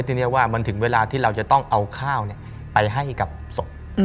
ทีนี้ว่ามันถึงเวลาที่เราจะต้องเอาข้าวไปให้กับศพ